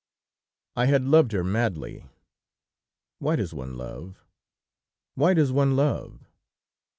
"I had loved her madly! Why does one love? Why does one love?